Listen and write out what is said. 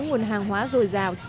nguồn hàng hóa dồi dào